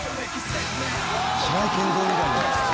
白井健三みたいだよ。